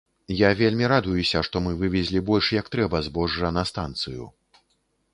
Я вельмі радуюся, што мы вывезлі больш як трэба збожжа на станцыю.